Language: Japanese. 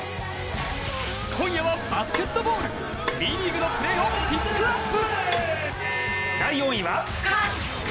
今夜は、バスケットボール、Ｂリーグのプレーをピックアップ！